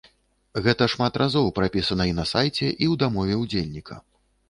Гэта шмат разоў прапісана і на сайце, і ў дамове ўдзельніка.